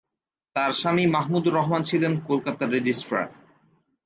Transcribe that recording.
তার স্বামী, মাহমুদুর রহমান ছিলেন কলকাতার রেজিস্ট্রার।